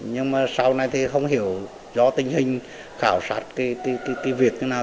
nhưng mà sau này thì không hiểu do tình hình khảo sát cái việc như nào